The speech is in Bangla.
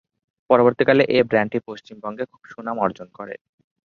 পরবর্তীকালে এই ব্যান্ডটি পশ্চিমবঙ্গে খুবই সুনাম অর্জন করে।